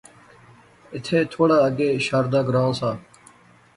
ایتھے تھوڑا اگے شاردا گراں سا